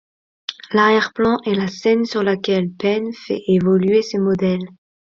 L'arrière-plan est la scène sur laquelle Penn fait évoluer ses modèles.